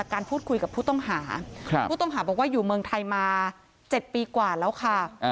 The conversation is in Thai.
การพูดคุยกับผู้ต้องหาผู้ต้องหาบอกว่าอยู่เมืองไทยมา๗ปีกว่าแล้วค่ะ